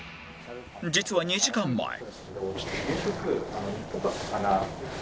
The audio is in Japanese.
実は２時間前